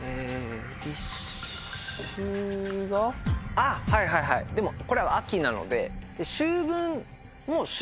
あっはいはいはいでもこれは秋なので。